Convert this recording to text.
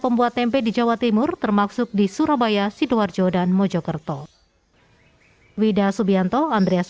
pembuat tempe di jawa timur termasuk di surabaya sidoarjo dan mojokerto wida subianto andreas